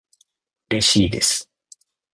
うれしいです